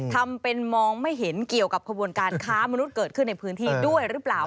ทำเป็นมองไม่เห็นเกี่ยวกับขบวนการค้ามนุษย์เกิดขึ้นในพื้นที่ด้วยหรือเปล่า